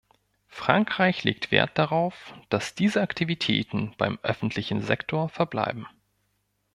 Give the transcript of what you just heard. Frankreich legt Wert darauf, dass diese Aktivitäten beim öffentlichen Sektor verbleiben.